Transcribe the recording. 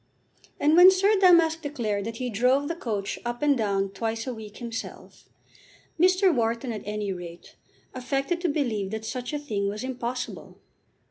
And when Sir Damask declared that he drove the coach up and down twice a week himself, Mr. Wharton at any rate affected to believe that such a thing was impossible.